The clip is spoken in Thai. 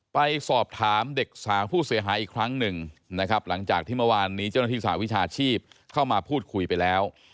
ไปสอบถามเด็กสาวผู้เสียหายอีกครั้งหนึ่งนะครับหลังจากที่เมื่อวานนี้เจ้าหน้าที่สาวิชาชีพเข้ามาพูดคุยไปแล้ว